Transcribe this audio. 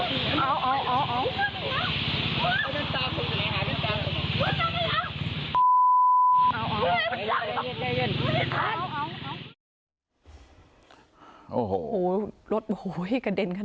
สวัสดีครับทุกคน